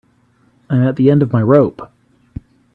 I'm at the end of my rope.